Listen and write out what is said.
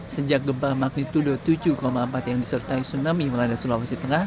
sejak gempa magnitudo tujuh empat yang disertai tsunami melanda sulawesi tengah